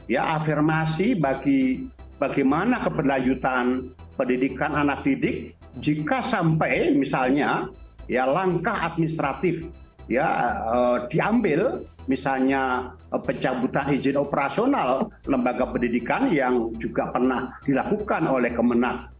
ya afirmasi bagi bagaimana keberlanjutan pendidikan anak didik jika sampai misalnya ya langkah administratif ya diambil misalnya pencabutan izin operasional lembaga pendidikan yang juga pernah dilakukan oleh kemenang